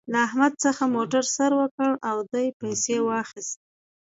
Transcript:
له احمد څخه موتر سر وکړ او دې پسې واخيست.